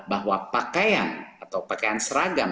bahwa pakaian atau pakaian seragam